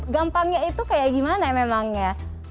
gampangnya itu kayak gimana memang ya